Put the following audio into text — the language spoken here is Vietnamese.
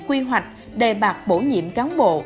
quy hoạch đề bạc bổ nhiệm cán bộ